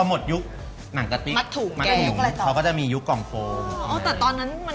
หนูไม่เกียวนะว่า